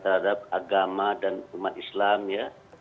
terhadap agama dan umat islam ya